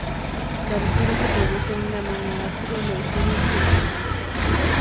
La rotura se produce en un aminoácido leucina específico.